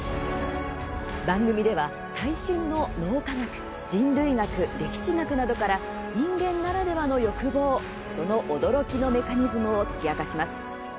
番組では、最新の脳科学人類学、歴史学などから人間ならではの欲望その驚きのメカニズムを解き明かします。